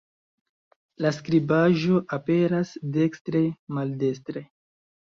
La skribaĵo aperas dekstre-maldestre.